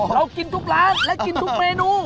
เรากินทุกร้านและกินทุกเมนู